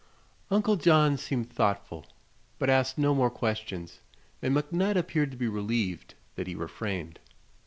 Uncle John seemed thoughtful, but asked no more questions, and McNutt appeared to be relieved that he refrained.